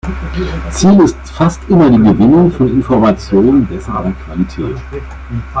Ziel ist fast immer die Gewinnung von Informationen besserer Qualität.